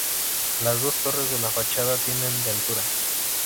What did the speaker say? Las dos torres de la fachada tienen de altura.